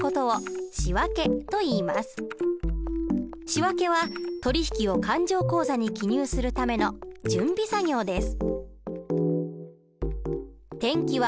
仕訳は取引を勘定口座に記入するための準備作業です。